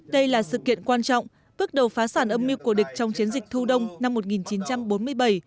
đây là sự kiện quan trọng bước đầu phá sản âm mưu của địch trong chiến dịch thu đông năm một nghìn chín trăm bốn mươi bảy